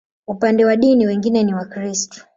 Upande wa dini, wengi ni Wakristo.